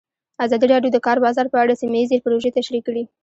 ازادي راډیو د د کار بازار په اړه سیمه ییزې پروژې تشریح کړې.